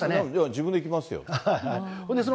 自分でいきます